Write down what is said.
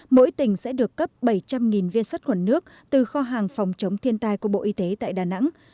mỗi tỉnh sẽ được cấp bảy trăm linh viên sắt khuẩn nước từ kho hàng phòng chống thiên tai của bộ y tế tại đà nẵng